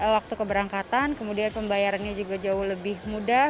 waktu keberangkatan kemudian pembayarannya juga jauh lebih mudah